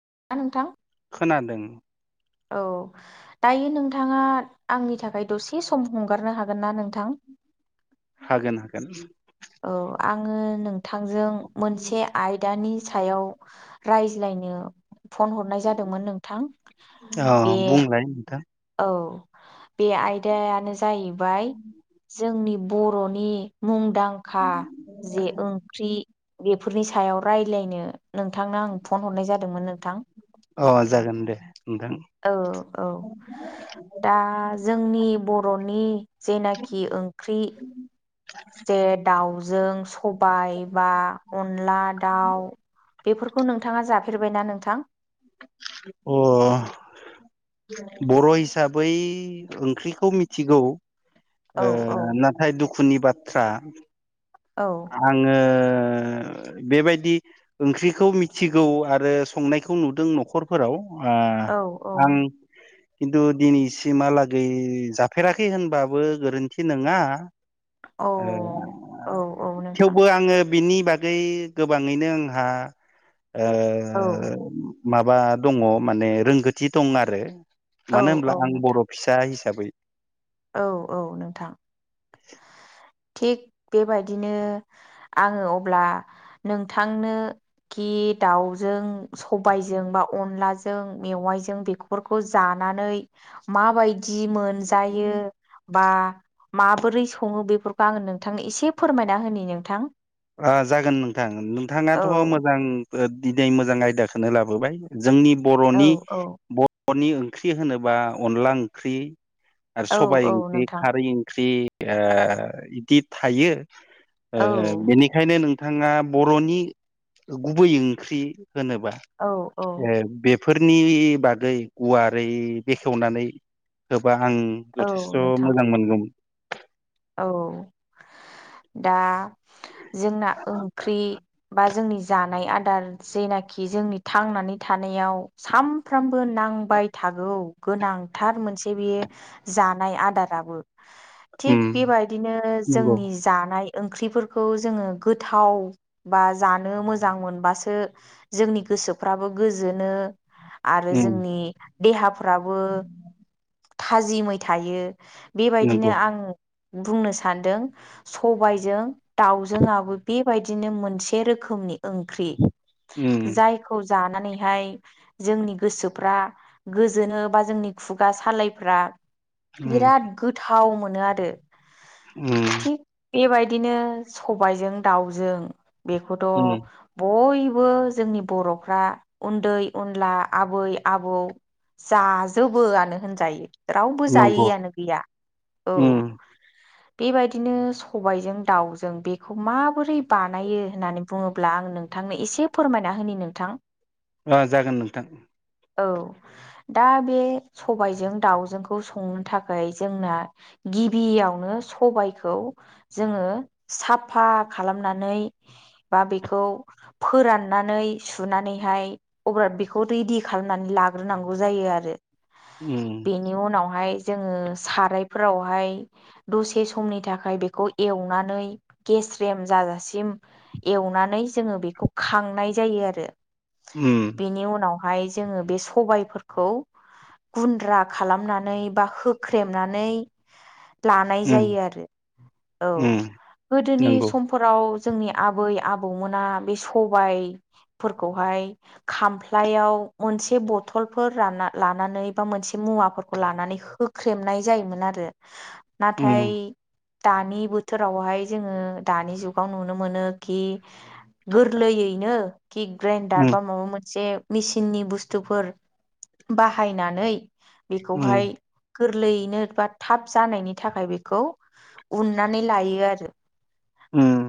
खोनादोंना नोंथां। खोनादों। औ दायो नोंथाङा आंनि थाखाय दसे सम हमगारनो हागोन ना नोंथां। हागोन हागोन। औ आङो नोंथांजों मोनसे आयदानि सायाव रायज्लायनो फन हरनाय जादोंमोन नोंथां अ बे बुंलाय नोंथां औ बे आयदायानो जाहैबाय जोंनि बर'नि मुंदांखा जे ओंख्रि बे बेफोरनि सायाव रायज्लायनो नोंथांनो आं फन हरनाय जादोंमोन नोंथां अ जागोन दे नोंथां औ औ। दा जोंनि बर'नि जेनाखि ओंख्रि। जे दाउजों सबाय बा अनला दाउ बेफोरखौ नोंथाङा जाफेरबायना नोंथां। अ बर' हिसाबै ओंख्रिखौ मिथिगौ। औ ओ औ नाथाय दुखुनि बाथ्रा औ आङो ओ बेबायदि ओंख्रिखौ मिथिगौ आरो संनायखौ नुदों न'खरफोराव अ औ आं। खिन्थु दिनैसिमहालागै जाफेराखै होनबाबो गोरोन्थि नङा। औ ओ औ औ नोंथां थेवबो आङो बिनि बागै गोबाङैनो आंहा ओ औ माबा दङ माने रोंगौथि दं आरो औ मानो होनब्ला औ आं नोंथां बर' फिसा हि हिसाबै औ औ नोंथां। थिग बेबायदिनो आङो अब्ला नोंथांनो खि दाउजों सबायजों बा अनलाजों मेवाइजों बेफोरखौ जानो माबायदि मोनजायो बा माबोरै सङो बेफोरखौ आङो नोंथांनो एसे फोरमायना होनि नोंथां। ओ जागोन नोंथां औ नोंथाङाथ' मोजां दिनै मोजां आयदाखौनो लाबोबाय। जोंनि औ बर'नि औ बर'नि ओंख्रि होनोबा अनला ओंख्रि। आरो औ सबाय औ ओंख्रि नोंथां खारै ओंख्रि ओ बिदि थायो। ओ औ बेनिखायनो नोंथाङा बर'नि गुबै ओंख्रि होनोबा औ औ ओ बे फोरनि बागै गुवारै बेखेवनानै होब बा आं औ जथेस्थ' नोंथां मोजां मोनगौमोन। औ दा जोंना ओंख्रि बा जोंनि जानाय आद जेनाखि जोंनि थांनानै थानायाव सानफ्रामबो नांबाय थागौ। गोनांथार मोनसे बेयो जानाय आदाराबो थिग उम बेबायदिनो नंगौ जोंनि जानाय ओंख्रिफोरखौ जोङो गोथाव बा जानो मोजां मोनबासो जोंनि गोसोफ्राबो गोजोनो आरो उम जोंनि देहाफ्राबो थाजिमै थायो नंगौ बेबायदिनो आं बुंनो सानदों सबायजों दाउजोंआबो बेबायदिनो मोनसे रोखोमनि ओंख्रि उम जायखौ जानानैहाय जोंनि गोसोफ्रा गोजोनो बा जोंनि खुगा सालायफ्रा उम बिराद गोथाव मोनो आरो उम थिग बेबायदिनो सबायजों दाउजों बेखौथ' उम बयबो बो जोंनि बर'फ्रा उन्दै उनला आबै आबौ जाजोबोआनो होनजायो रावबो नंगौ जायैआनो गैया औ। [inaudible] बेबायदिनो सबायजों दाउजों बेखौ माबोरै बानायो होननानै बुङोब्ला आं नोंथां नोंथांनो एसे फोरमायना होनि नोंथां। अ जागोन नोंथां। औ। दा बे सबायजों दाउजोंखौ संनो थाखाय जोंना गि गिबियावनो सबायखौ जोङो साफा खालामनानै बा बिखौ फोराननानै सुनानैहाय अब्ला बिखौ रेडि खालामनानै ला लाग्रोनांगौ जायो आरो उम बेनि उनावहाय जोङो सारायफोरावहाय। दसे समनि थाखाय बेखौ एवनानै गेस्रेम जाजासिम एव नानै जोङो बेखौ खांनाय जायो आरो उम बेनि उनाव। हाय जोङो बे सबायफोरखौ गुन्द्रा खालामनानै बा होख्रेमनानै लानाय उम जायो आरो औ उम गोदोनि नंगौ समफोराव। जोंनि आबै आबौमोना बे सबायफोरखौहाय खामफ्लायाव। मोनसे बथल लानानै बा मोनसे मुवाफोरखौ लानानै होख्रेमनाय जायोमोन। आरो नाथाय। उम दानि बोथोरावहाय जोङो दानि जुगाव नुनो मोनो कि गोरलैयैनो। कि ग्राइडार उम बा माबा मोनसे मेसिननि बुस्थुफोर बाहायनानै उम बेखौहाय गोरलैयैनो बा थाब जानायनि थाखाय बेखौ उननानै लायो आरो। उम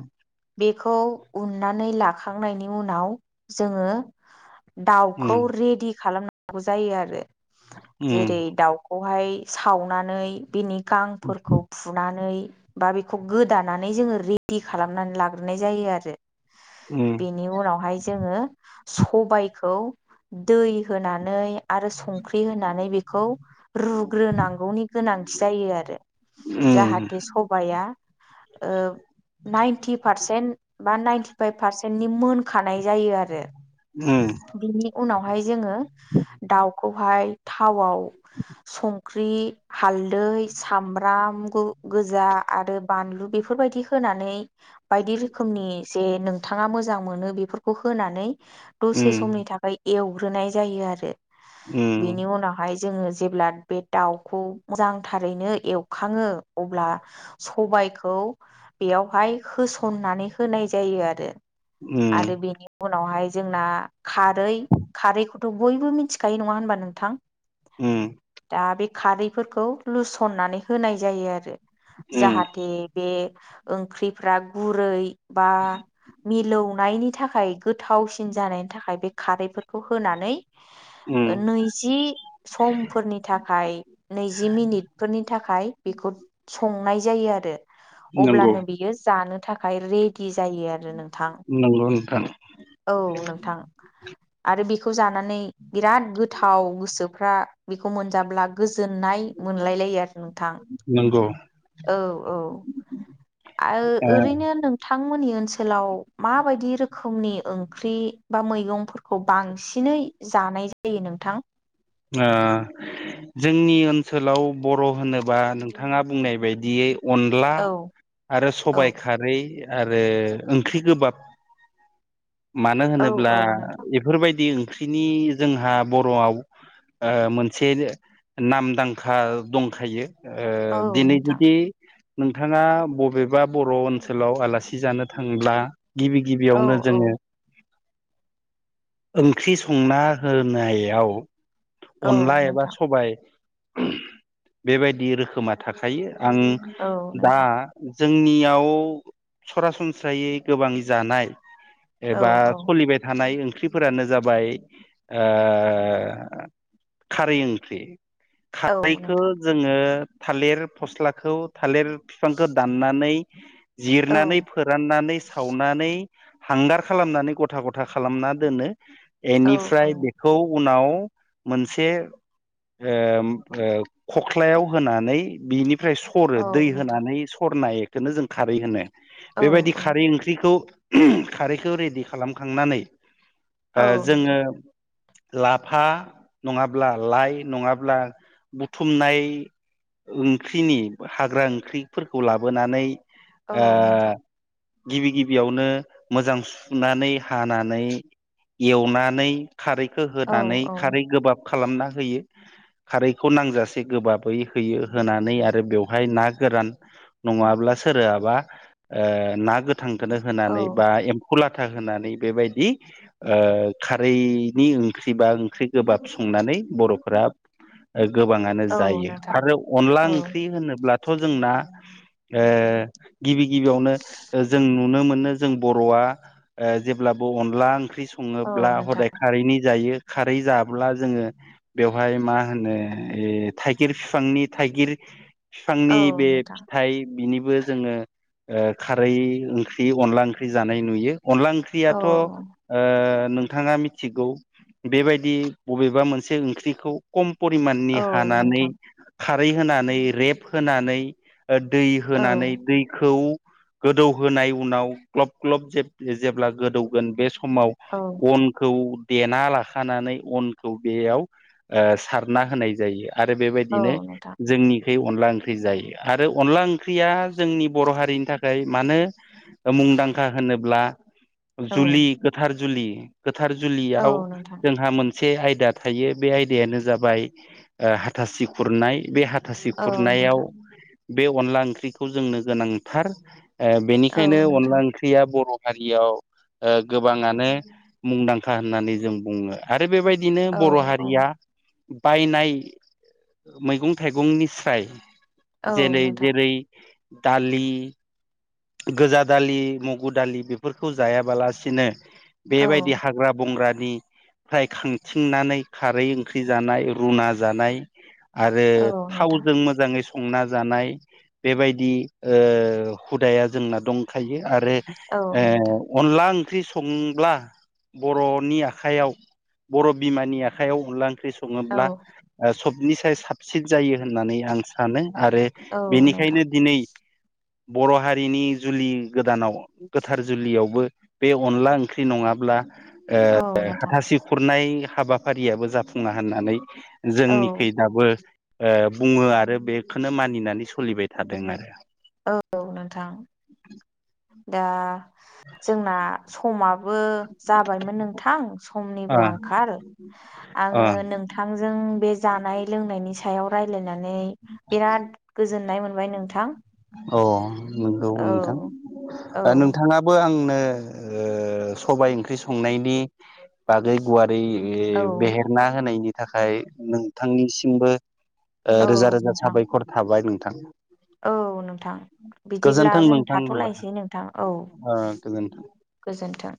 बेखौ उननानै लाखांनायनि उनाव जोङो दाउखौ उम रेडि खालामनांगौ जायो आरो उम जेरै दाउखौ बहाय सावनानै बिनि गांफोरखौ फुनानै बा बेखौ गोदानानै जोङो रेडि खालामनानै लाग्रो नाय जायो आरो उम उम बेनि उनावहाय जोङो। सबायखौ दै होनानै आरो संख्रि होनानै बेखौ रुग्रोनांगौनि गोनांथि जायो आरो। जाहाथे सबाया ओ नाइन्टि पारसेन्ट बा नाइन्टिफाइभ पारसेन्टनि मोनखानाय जायो आरो। उम बिनि उनावहाय जोङो दाउखौहाय थावआव संख्रि, हालदै, सामब्राम गोजा आरो बानलु बेफोरक्षबायदि होनानै बायदि रोखोमनि जे नों नोंथां मोजां मोनो बेफोरखौ होनानै दसे समनि थाखाय एवग्रोनाय जायो आरो। बिनि उनावहाय। जों जेब्ला बे दाउखौ मोजांथारैनो एवखाङो अब्ला सबाय खौ बेयावहाय होसननानै होनाय जायो आरो। उम आरो बेनि उनावहाय। जोंना खारै खारैखौथ' बयबो मिथिखायो नङा होनबा नोंथां। उम दा बे खारैफोरखौ लुसननानै होनाय जायो आरो। उम जाहाथे बे ओंख्रिफ्रा गुरै बा मिलौनायनि थाखाय गोथाव सिन जानायनि थाखाय बे खारैफोरखौ होनानै औ। नैजि समफोरनि थाखाय नैजि मिनिटफोरनि थाखाय बेखौ संनाय जायो आरो नंगौ अब्लानो बियो जानो थाखाय रेडि जायो आरो नों नोंगौ नोंथां। औ नोंथां आरो बेखौ जानानै बिराद गोथाव गोसोफ्रा बेखौ मोनजाब्ला गोजोननाय मोनलायलायो आरो नोंथां नंगौ औ औ आओ ओ ओरैनो नोंथां मोननि ओनसोलाव माबायदि रोखोमनि ओंख्रि बा मैगंफोरखौ बांसिनै जानाय जायो नोंथां ओ जोंनि ओनसोलाव बर' होनोबा नोंथाङा बुंनाय बायदियै अनला औ आरो औ सबाय खारै आरो ओंख्रि गोबाब मानो औ होनोब्ला औ नोंथां बेफोरबायदि ओंख्रिनि जोंहा बर'आव मोनसे नामदांखा दंखायो। ओ औ दिनै नोंथां जुदि नोंथांङा बबेबा बर' ओनसोलाव आलासि जानो थांङोब्ला गिबि औ गिबियावनो औ जोंङो ओंख्रि संना होनायाव औ अनला एबा नोंथां सबाय बेबायदि रोखोमा थाखायो। आं औ दा नोंथां जोंनियाव सरासनस्रायै गोबां जानाय औ एबा औ सलिबाय थानाय ओं ख्रिफोरानो जाबाय ओ खारै ओंख्रि औ खारैखो नोंथां जोंङो थालिर फस्लाखौ थालिर फिफांखौ दाननानै औ जिरनानै फोराननानै सावनानै हांगार खालामनानै गथा गथा खालामना दोनो औ औ इनिफ्राय बेखौ उनाव मोनसे ओम ओ खख्लायाव होनानै बिनि फ्राय सरो औ दै नोंथां होनानै सरनायखौनो जों खारै होनो। औ बेबायदि औ खारै ओंख्रिखौ खारैखौ रेडि खालामखांनानै ओ औ जोंङो नोंथां लाफा नङाब्ला लाइ नङाब्ला बुथुमनाय ओंख्रिनि हाग्रा ओंख्रिफोरखौ लाबोनानै ओ औ नोंथां गिबि गिबियावनो मोजां सुनानै हानानै एवनानै खारैखो औ होनानै औ खारै गोबाब खालामना होयो खारैखौ नांजासे गोबाबै होयो होनानै आरो बेवहाय ना गो रान नङाब्ला सोरोआबा ओ ना गोथांखौनो औ होनानै बा एम फौ लाथा होनानै बेबायदि ओ खारैनि ओंख्रि बा ओंख्रि गोबाब सं नानै बर'फोरा ओ गोबांङानो औ जायो नोंथां आरो अनला औ ओंख्रि होनोब्लाथ' जोंना ओ गिबि गिबियावनो जों नुनो मोनो जों बर'आ ओ जेब्लाबो अनला ओंख्रि औ संङोब्ला नोंथां हदाय खारैनि जायो। खारै जाब्ला जोंङो बेवहाय मा होनो ए थाइगिर फिफांनि थाइगिर औ फिफांनि बे नोंथां फिथाइ बिनिबो जोंङो ओ खारै ओंख्रि अनला ओंख्रि जानाय नुयो। अनला औ ओंख्रियाथ' ओ नोंथांङा मिथिगौ बेबायदि बबेबा मोनसे ओंख्रिखौ खम परिमाननि औ हानानै नोंथां खारै होनानै रेप होनानै दै औ होनानै दैखौ गोदौहोनाय उनाव ग्लब ग्लब जे जेब्ला गोदौगोन बे समाव औ अनखौ देना लाखानानै अनखौ बेयाव ओ सारना होनाय जायो। आरो औ बेबायदिनो नोंथां जोंनिखै अनला ओंख्रि जायो आरो अनला ओंख्रि ख्रिया जोंनि बर' हारिनि थाखाय मानो मुंदांखा होनोब्ला औ जुलि गोथार जुलि गोथार औ जुलियाव नोंथां जोंहा मोनसे से आयदा थायो बे आयदायानो जाबाय हाथासि खुरनाय बे थासि औ खुरनायाव नोंथां बे अनला ओंख्रिखौ जोंनो गोनांथार ओ औ बेनिखायनो अनला नोंथां ओंख्रिया बर' फोर हारियाव गोबाङानो मुंदांखा होननानै जों बुङो आरो आरो बेबायदिनो बर' औ हारिया बायनाय मैगं थाइगंनि फ्राय औ जेरै नोंथां जेरै दालि गोजा दालि मुगु दालि बेफोरखौ जायाबालासिनो औ बेबायदि हाग्रा बंग्रा नि फ्राय खांथिंनानै खारै ओंख्रि जानाय रुना जानाय आरो औ थावजों नोंथां मोजाङै संना जानाय बेबायदि ओ हुदाया जोंना दंखायो आरो औ ओ नोंथां अनला ओंख्रि संब्ला बर'नि आखयाव बर' बिमानि आखाइायाव उनलां ओंख्रि औ सङोब्ला सबनिसाय साबसिन जायो होननानै आं सानो आरो औ नोंथां बेनिखायनो दिनै बर' हारिनि जुलि गोदानाव गोथार जुलियावबो बे अनला ओंख्रि नङाब्ला ओ औ नोंथां हाथासि खुरनाय हाबाफारियाबो जाफुंङना होननानै औ जोंनिखै दाबो ओ बुङो आरो बेखौनो मानिनानै सोलिबाय थादों आरो औ नोंथां [inaudible] दा जोंना समाब [inaudible] जाबायमोन नोंथां ओ समनिबो आंखाल आङो नोंथांजों बे जा जानाय लोंनायनि सायाव रायलायनानै बिराद गोजोननाय मोनबाय नोंथां अ नंगौ नोंथां औ औ आ नोंथाङाबो आंनो ओ सबाय ओंख्रि संनायनि बागै गुवा रै औ बेहेरना होनायनि थाखाय नोंथांनिसिमबो ओ रोजा औ रोजा नोंथां साबायखर थाबाय नोंथां औ नोंथां बिदिब्ला गोजोन्थों जों नोंथां होमबा ओ थाथलायसै नोंथां औ गोजोन्थों गोजोन्थों